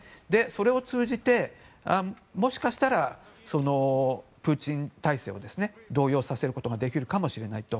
それを通じて、もしかしたらプーチン体制を動揺させることができるかもしれないと。